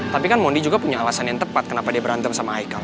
tapi kan mondi juga punya alasan yang tepat kenapa dia berantem sama ichael